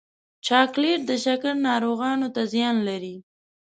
چاکلېټ د شکر ناروغانو ته زیان لري.